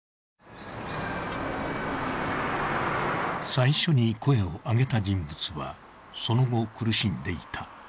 最初に声を上げた人物はその後、苦しんでいた。